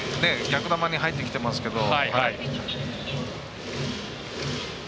逆球に入ってきてますけど。